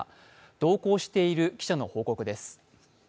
同行している記者の報告です。